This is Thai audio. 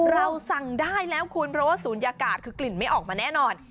เราสั่งได้แล้วคุณเพราะว่าศูนยากาศคือกลิ่นไม่ออกมาแน่นอน